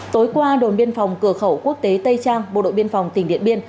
tối qua đồn biên phòng cửa khẩu quốc tế tây trang bộ đội biên phòng tỉnh điện biên